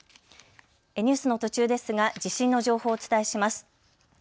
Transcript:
ニュースの途中ですが地震の情報をお伝えします。